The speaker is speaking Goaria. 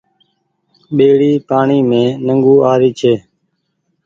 ٻيڙي پآڻيٚ مين نڳون آرو ڇي۔